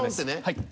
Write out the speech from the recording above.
はい。